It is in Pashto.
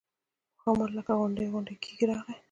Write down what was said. ښامار لکه غونډی غونډی کېږي راغی.